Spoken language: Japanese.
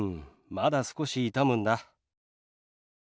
まだ少し痛むんだ。